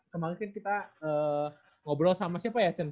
kemarin kan kita ngobrol sama siapa ya